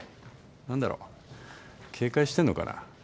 何だろう警戒してんのかな。